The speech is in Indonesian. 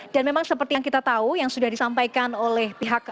memang seperti yang kita tahu yang sudah disampaikan oleh pihak kpk